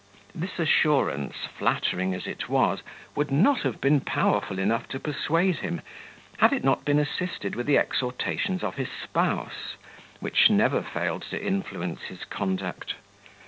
This assurance, flattering as it was, would not have been powerful enough to persuade him, had it not been assisted with the exhortations of his spouse, which never failed to influence his conduct.